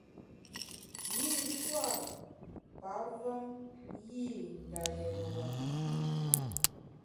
Yî pua’ pavem yî nda lérewa.